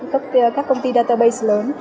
các công ty database lớn